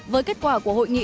với kết quả của hội nghị